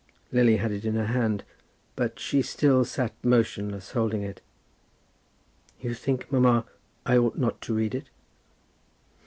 Lily had it in her hand, but she still sat motionless, holding it. "You think, mamma, I ought not to read it?"